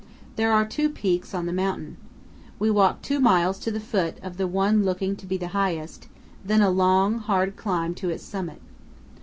There are two peaks on the mountain. We walk two miles to the foot of the one looking to be the highest, then a long, hard climb to its summit.